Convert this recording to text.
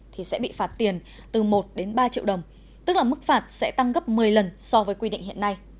thì sẽ bị phạt tiền từ một đến ba triệu đồng tức là mức phạt sẽ tăng gấp một mươi lần so với quy định hiện nay